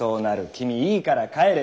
君いいから帰れ。